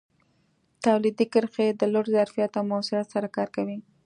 تولیدي کرښې د لوړ ظرفیت او موثریت سره کار کوي.